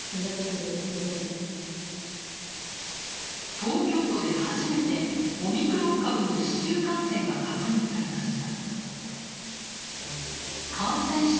東京都で初めてオミクロン株の市中感染が確認されました。